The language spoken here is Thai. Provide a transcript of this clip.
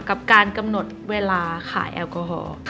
กับการกำหนดเวลาขายแอลกอฮอล์